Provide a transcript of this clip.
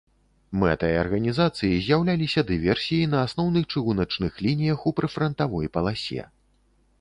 Мэтай арганізацыі з'яўляліся дыверсіі на асноўных чыгуначных лініях ў прыфрантавой паласе.